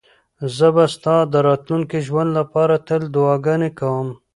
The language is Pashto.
زه به ستا د راتلونکي ژوند لپاره تل دعاګانې کوم.